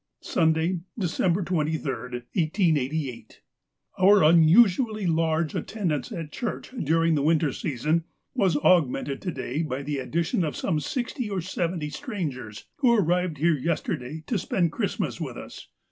" Suftday, December 2j, 1888. — Our unusually large attend ance at church during the winter season was augmented to day by the addition of some sixty or seventy strangers, who arrived here yesterday to spend Christmas with us.